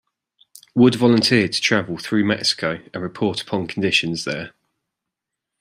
Wood volunteered to travel through Mexico and report upon conditions there.